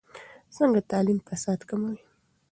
څنګه تعلیم فساد کموي؟